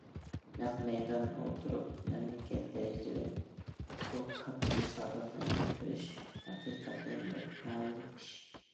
نەق مەيداندا ئولتۇرۇپ، مەملىكەت دەرىجىلىك بۇ كاتتا مۇسابىقىنى كۆرۈش ھەقىقەتەن بىر كۆڭۈللۈك ئىش.